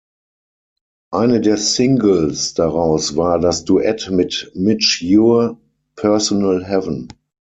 Eine der Singles daraus war das Duett mit Midge Ure, "Personal Heaven".